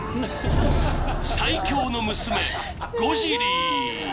［最強の娘ゴジリー］